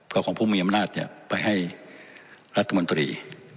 ก็ของผู้มีอำนาจไปให้รัฐมนตรี